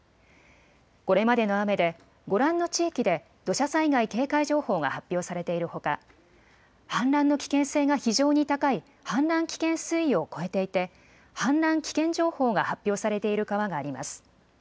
これまでの雨でご覧の地域で土砂災害警戒情報が発表されているほか氾濫の危険性が非常に高い氾濫危険水位を超えていて氾濫危険情報が発表されている川があります。